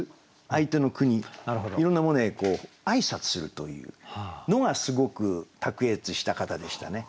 相手の国いろんなものへ挨拶するというのがすごく卓越した方でしたね。